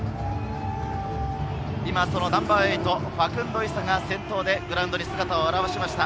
ナンバー８、ファクンド・イサが先頭でグラウンドに姿を現しました。